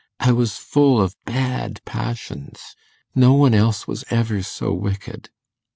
I was full of bad passions. No one else was ever so wicked.